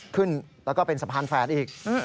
ขึ้นแล้วก็เป็นสะพานแฝดอีก